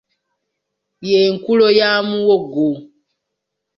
Ye nkulo ya muwogo.